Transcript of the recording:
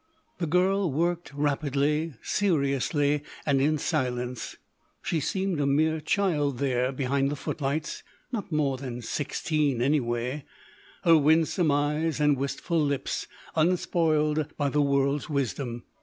The girl worked rapidly, seriously, and in silence. She seemed a mere child there behind the footlights, not more than sixteen anyway—her winsome eyes and wistful lips unspoiled by the world's wisdom.